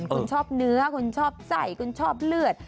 คุณชอบเนื้อคุณชอบใส่คุณชอบเลือด